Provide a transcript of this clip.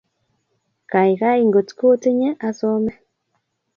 Kaikai ngotkotinye asome